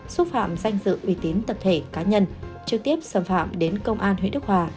xúc phạm danh dự uy tín tập thể cá nhân trực tiếp xâm phạm đến công an huyện đức hòa